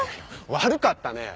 悪かったね。